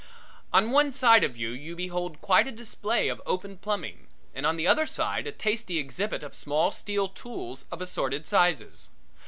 On one side of you you behold quite a display of open plumbing and on the other side a tasty exhibit of small steel tools of assorted sizes.